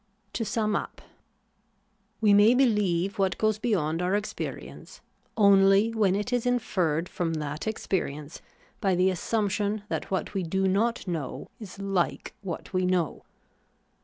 To sum up :— We may beheve what goes beyond our experience, only when it is inferred from that experience by the assumption that what we do not know is hke what we know.